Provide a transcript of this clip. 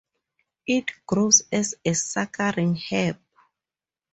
It grows as a suckering herb.